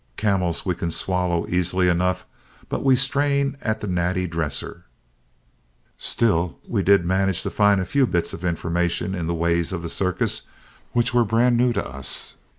Camels we can swallow easily enough, but we strain at the natty dresser. Still we did manage to find a few bits of information in The Ways of the Circus which were brand new to us.